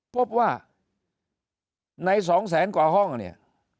พบว่าใน๒แสนกว่าห้องเนี่ย